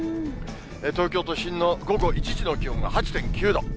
東京都心の午後１時の気温が８．９度。